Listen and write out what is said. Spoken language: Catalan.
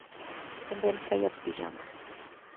També ens feia els pijames.